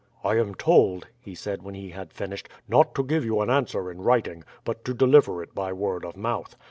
"I am told," he said when he had finished, "not to give you an answer in writing, but to deliver it by word of mouth.